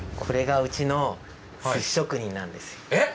えっ？